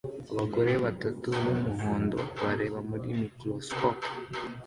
Abagore batatu b'umuhondo bareba muri microscopes